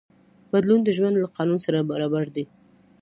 بدلون د ژوند له قانون سره برابر دی.